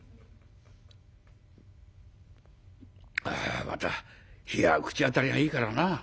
「あまた冷やは口当たりがいいからな」。